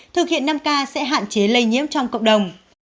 thực hiện năm k sẽ hạn chế lây nhiễm trong cộng đồng